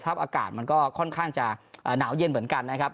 อากาศมันก็ค่อนข้างจะหนาวเย็นเหมือนกันนะครับ